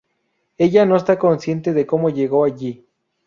Ella no está consciente de cómo llegó allí.